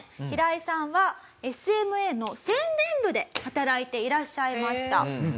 ヒライさんはＳＭＡの宣伝部で働いていらっしゃいました。